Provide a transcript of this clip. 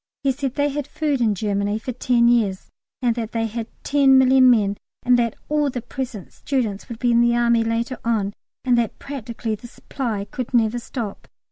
He said they had food in Germany for ten years, and that they had ten million men, and that all the present students would be in the Army later on, and that practically the supply could never stop.